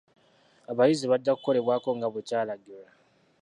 Abayizi bajja kukolebwako nga bwekyalagirwa.